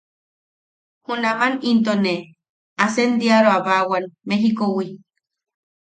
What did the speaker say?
Junaman into ne asendiaroabawan, Mejikowi.